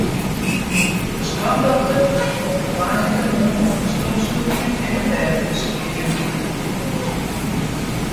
De skoandochter komt op woansdeitemoarn om te stofsûgjen en it bêd te ferskjinjen.